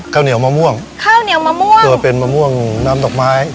ข้าวเหนียวมะม่วงมะม่วงน้ำดอกไม้ของบางกระเจ้า